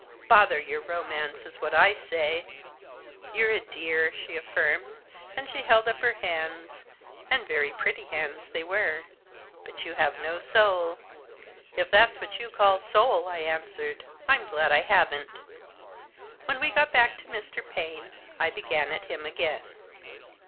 Bother your romance, is what I say." " You're a dear," she affirmed, and she held up her hands — and very pretty hands they were. " But you have no soul." "If that's what you call soul," I answered, "I'm glad I haven't." When we got back to Mr. Paine, I began at him again.